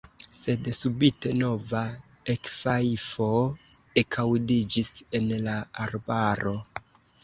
Sed subite nova ekfajfo ekaŭdiĝis en la arbaro.